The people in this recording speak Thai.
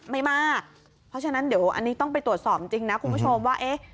ไม่มากเพราะฉะนั้นเดี๋ยวอันนี้ต้องไปตรวจสอบจริงนะคุณผู้ชมว่าเอ๊ะ